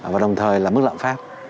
và đồng thời là mức lạm pháp